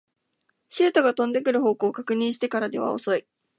シュートが飛んでくる方向を確認してからでは遅い